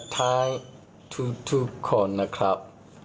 ใจทุกคนนะครับ